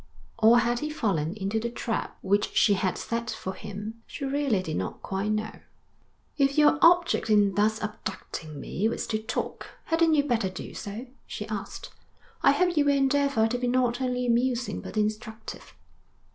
Or had he fallen into the trap which she had set for him? She really did not quite know. 'If your object in thus abducting me was to talk, hadn't you better do so?' she asked. 'I hope you will endeavour to be not only amusing but instructive.'